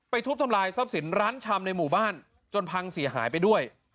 ทุบทำลายทรัพย์สินร้านชำในหมู่บ้านจนพังเสียหายไปด้วย